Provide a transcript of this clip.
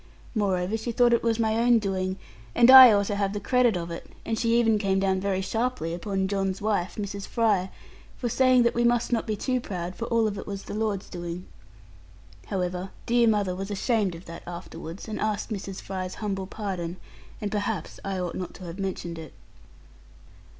Moreover she thought it was my own doing, and I ought to have the credit of it, and she even came down very sharply upon John's wife, Mrs. Fry, for saying that we must not be too proud, for all of it was the Lord's doing. However, dear mother was ashamed of that afterwards, and asked Mrs. Fry's humble pardon; and perhaps I ought not to have mentioned it.